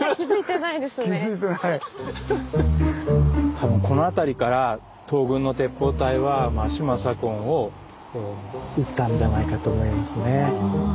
多分この辺りから東軍の鉄砲隊は島左近をうったんじゃないかと思いますね。